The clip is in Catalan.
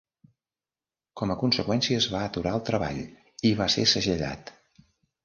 Com a conseqüència es va aturar el treball, i va ser segellat.